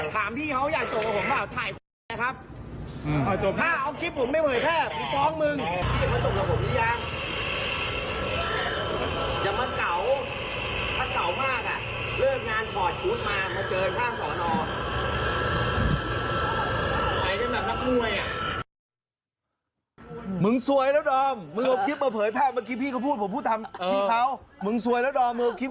จะเอาให้เหมือนล่ะถอดสูตรถอดเสื้อเลย